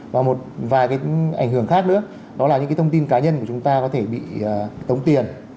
và một vài cái ảnh hưởng khác nữa đó là những cái thông tin cá nhân của chúng ta có thể bị tống tiền